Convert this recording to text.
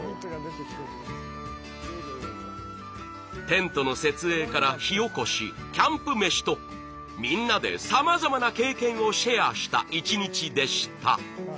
テントの設営から火おこしキャンプ飯とみんなでさまざまな経験をシェアした一日でした。